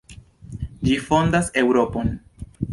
Ĝi fondas Eŭropon.